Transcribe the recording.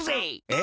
え？